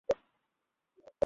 আমাদের ফলাফল বলুন।